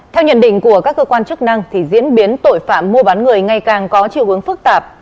theo nhận định của các cơ quan chức năng diễn biến tội phạm mua bán người ngày càng có chiều hướng phức tạp